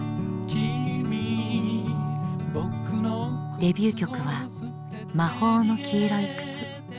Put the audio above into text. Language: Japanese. デビュー曲は「魔法の黄色い靴」。